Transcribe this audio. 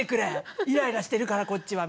イライラしてるからこっちはみたいなもう。